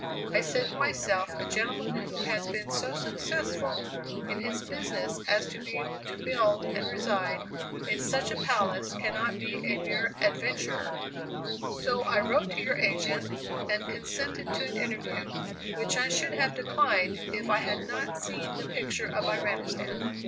I said to myself, a gentleman who has been so successful in his business as to be able to build and reside in such a palace cannot be a mere 'adventurer.' So I wrote to your agent, and consented to an interview, which I should have declined, if I had not seen the picture of Iranistan!"